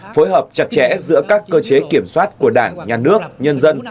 phối hợp chặt chẽ giữa các cơ chế kiểm soát của đảng nhà nước nhân dân